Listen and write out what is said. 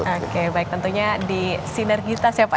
oke baik tentunya di sinergitas ya pak